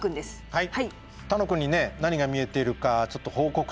はい。